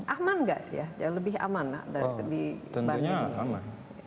aman nggak ya lebih aman ya dibanding tentunya aman